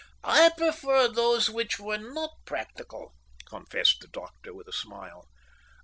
"I prefer those which were not practical," confessed the doctor, with a smile.